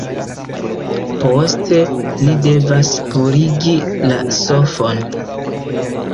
Poste, ni devas purigi la sofon